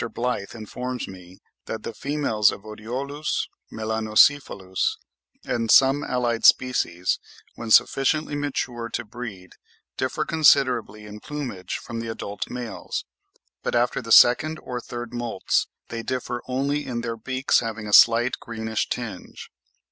Blyth informs me that the females of Oriolus melanocephalus and of some allied species, when sufficiently mature to breed, differ considerably in plumage from the adult males; but after the second or third moults they differ only in their beaks having a slight greenish tinge.